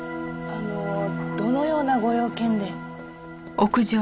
あのどのようなご用件で？